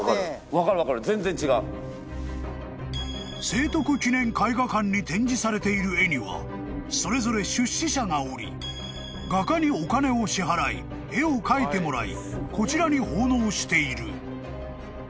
［聖徳記念絵画館に展示されている絵にはそれぞれ出資者がおり画家にお金を支払い絵を描いてもらいこちらに奉納している］